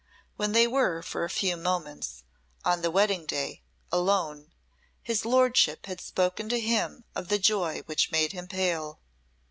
When they were for a few moments, on the wedding day, alone, his Lordship had spoken to him of the joy which made him pale.